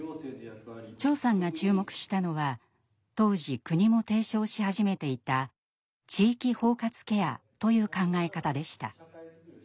長さんが注目したのは当時国も提唱し始めていた「地域包括ケア」という考え方でした。